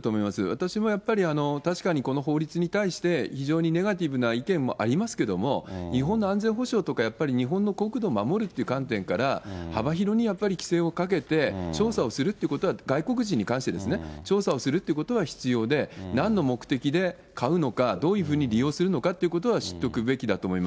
私も確かにこの法律に対して、非常にネガティブな意見もありますけれども、日本の安全保障とかやっぱり日本の国土を守るという観点から、幅広にやっぱり規制をかけて、調査をするということは、外国人に関してですね、調査をするっていうことは必要で、なんの目的で買うのか、どういうふうに利用するのかということは知っておくべきだと思います。